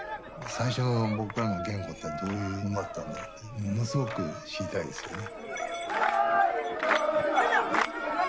最初の僕らの言語ってどういうものだったんだろうってものすごく知りたいですね。